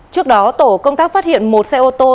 trước đó tổ công tác phát hiện một xe ô tô